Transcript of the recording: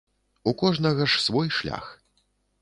У кожнага ж свой шлях.